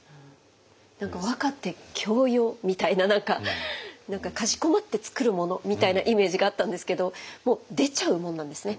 何か和歌って教養みたいなかしこまって作るものみたいなイメージがあったんですけどもう出ちゃうもんなんですね。